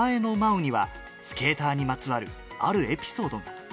おには、スケーターにまつわる、あるエピソードが。